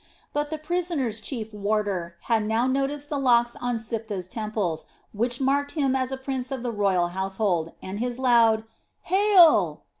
But the prisoners' chief warder had now noticed the locks on Siptah's temples, which marked him as a prince of the royal household and his loud "Hail!